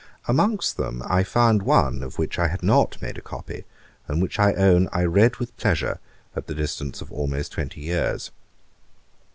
Amongst them I found one, of which I had not made a copy, and which I own I read with pleasure at the distance of almost twenty years.